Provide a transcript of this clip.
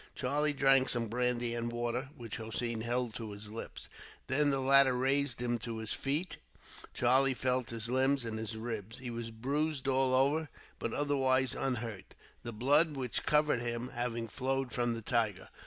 Charlie drank some brandy and water, which Hossein held to his lips. Then the latter raised him to his feet. Charlie felt his limbs and his ribs. He was bruised all over, but otherwise unhurt, the blood which covered him having flowed from the tiger.